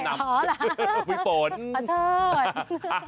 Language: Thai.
อ๋อเหรอภิโภนขอโทษ